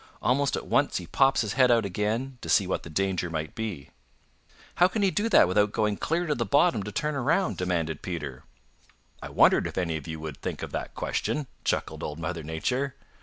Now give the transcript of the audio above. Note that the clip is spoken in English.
Almost at once he pops his head out again to see what the danger may be." "How can he do that without going clear to the bottom to turn around?" demanded Peter. "I wondered if any of you would think of that question," chuckled Old Mother Nature.